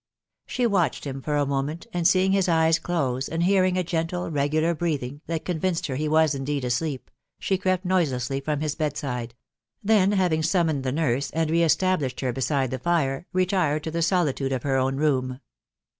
She watched him for a moment, and seeing his eyes close, and hearing a gentle, regular breathing, that convinced her he was indeed asleep, she crept noiselessly from his bed side ; then having summoned the nurse, and re established her beside the fire, retired to the solitude of her own room.